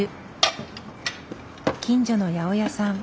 近所の八百屋さん。